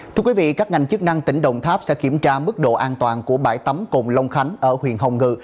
thưa quý vị các ngành chức năng tỉnh đồng tháp sẽ kiểm tra mức độ an toàn của bãi tắm cồn long khánh ở huyện hồng ngự